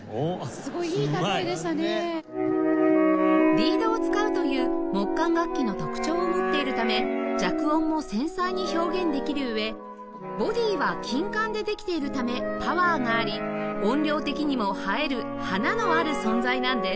リードを使うという木管楽器の特徴を持っているため弱音も繊細に表現できる上ボディは金管でできているためパワーがあり音量的にも映える華のある存在なんです